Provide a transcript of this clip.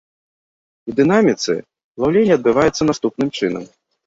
У дынаміцы, плаўленне адбываецца наступным чынам.